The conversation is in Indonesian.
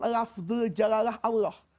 lafdul jalalah allah